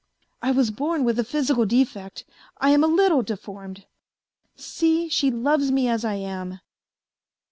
I was born with a physical defect, I am a little deformed. See, she loves me as I am.